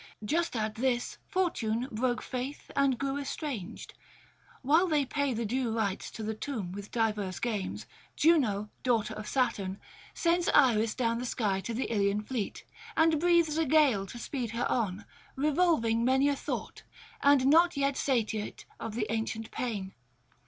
Just at this Fortune broke faith and grew estranged. While they pay the due rites to the tomb with diverse games, Juno, daughter of Saturn, sends Iris down the sky to the Ilian fleet, and breathes a gale to speed her on, revolving many a thought, and not yet satiate of the ancient pain.